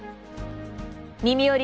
「みみより！